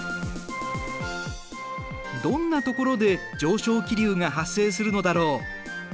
どんなところで上昇気流が発生するのだろう。